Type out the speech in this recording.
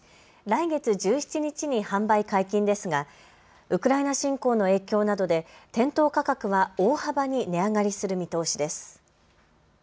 来月１７日に販売解禁ですがウクライナ侵攻の影響などで店頭価格は大幅に値上がりする見通しです。